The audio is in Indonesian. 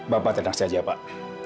bapak tenang saja pak